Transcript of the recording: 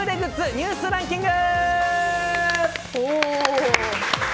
ニュースランキング。